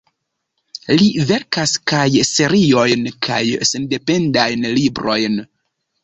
Li verkas kaj seriojn kaj sendependajn librojn.